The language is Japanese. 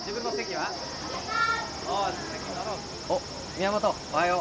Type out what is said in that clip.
よしおっ宮本おはよう